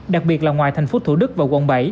đặc biệt là ngoài thành phố thủ đức và quận bảy